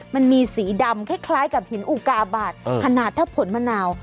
มันมีสีดำคล้ายกับหินอุกาบาทขนาดถ้าผลมะนาว